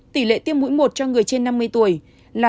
tỷ lệ tiêm mũi một cho người trên năm mươi tuổi là tám mươi hai bốn